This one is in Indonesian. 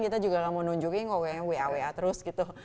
kita juga gak mau nunjukin wa wa terus gitu